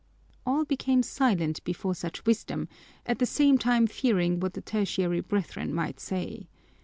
All became silent before such wisdom, at the same time fearing what the Tertiary Brethren might say.